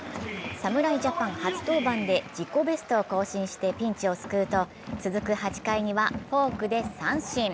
侍ジャパン初登板で自己ベストを更新してピンチを救うと続く８回にはフォークで三振。